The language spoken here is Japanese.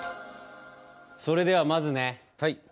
それではまずねはい！